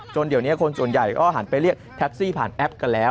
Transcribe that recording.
เดี๋ยวนี้คนส่วนใหญ่ก็หันไปเรียกแท็กซี่ผ่านแอปกันแล้ว